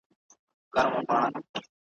مستانه باندي ورتللو ,